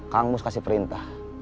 kang mus kasih perintah